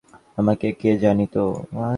আমি কোথা হইতে আসিলাম, আমাকে কে জানিত।